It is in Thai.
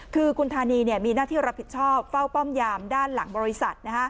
คือคุณธานีมีหน้าที่รับผิดชอบเฝ้าป้อมยามด้านหลังบริษัท